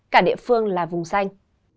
cả địa phương là vùng xanh